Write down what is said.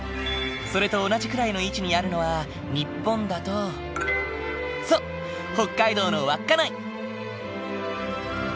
それと同じくらいの位置にあるのは日本だとそう北海道の稚内。